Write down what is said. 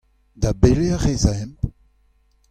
Da belec'h ez aemp ?